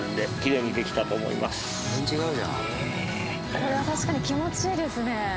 これは確かに気持ちいいですね。